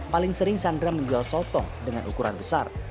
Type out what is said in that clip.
paling sering sandra menjual sotong dengan ukuran besar